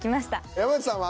山内さんは？